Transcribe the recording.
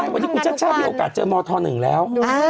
วันนี้คุณชาติชาติมีโอกาสเจอมธ๑แล้ว